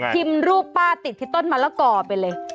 พิมพ์ลูกป้าติดที่ต้นมะละก่อไปเลย